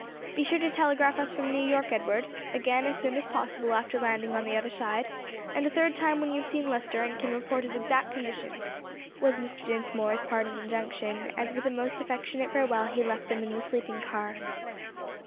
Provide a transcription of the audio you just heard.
"Be sure to telegraph us from New York, Edward, again as soon as possible after landing on the other side, and a third time when you have seen Lester and can report his exact condition," was Mr. Dinsmore's parting injunction, as with a most affectionate farewell he left them in the sleeping car.